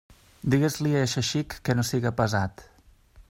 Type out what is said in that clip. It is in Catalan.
Digues-li a eixe xic que no siga pesat.